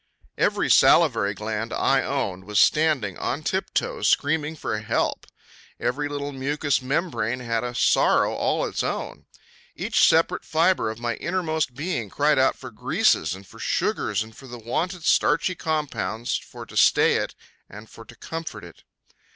Every salivary gland I owned was standing on tiptoe screaming for help; every little mucous membrane had a sorrow all its own. Each separate fiber of my innermost being cried out for greases and for sugars and for the wonted starchy compounds for to stay it and for to comfort it.